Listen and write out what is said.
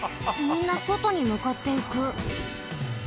みんなそとにむかっていく。